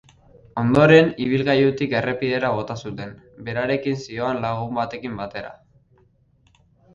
Ondoren, ibilgailutik errepidera bota zuten, berarekin zihoan lagun batekin batera.